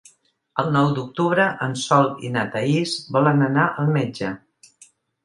El nou d'octubre en Sol i na Thaís volen anar al metge.